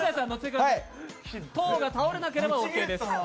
塔が倒れなければオーケーです。